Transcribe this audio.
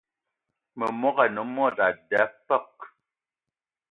Memogo ane mod a da peuk.